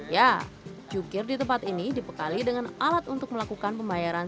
ya jukir di tempat ini dibekali dengan alat untuk melakukan pembayaran